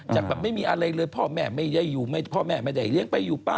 จากแบบไม่มีอะไรเลยพ่อแม่ไม่ได้อยู่พ่อแม่ไม่ได้เลี้ยงไปอยู่ป้า